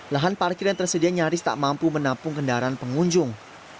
lahan parkir yang tersedia nyaris tak mampu menampung kendaraan pengunjung